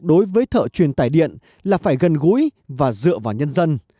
đối với thợ truyền tài điện là phải gần gũi và dựa vào nhân dân